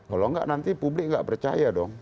kalau enggak nanti publik nggak percaya dong